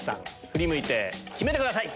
振り向いて決めてください。